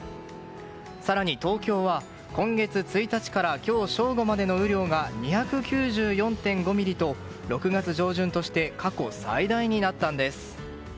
更に東京は今月１日から今日正午までの雨量が２９４．５ミリと６月上旬として過去最大になったんです。